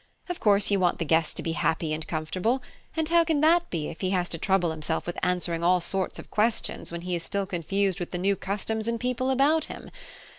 Of course you want the guest to be happy and comfortable; and how can that be if he has to trouble himself with answering all sorts of questions while he is still confused with the new customs and people about him?